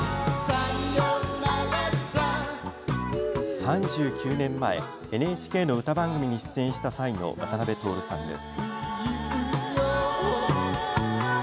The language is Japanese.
３９年前、ＮＨＫの歌番組に出演した際の渡辺徹さんです。